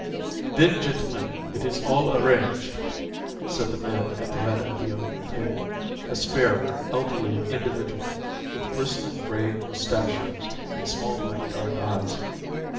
"Then, gentlemen, it is all arranged?" said the man at the head of the oval table a spare, elderly individual with bristling gray mustachios and smoldering dark eyes.